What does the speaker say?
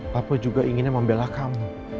papa juga ingin membela kamu